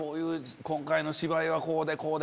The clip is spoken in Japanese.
今回の芝居はこうでこうで！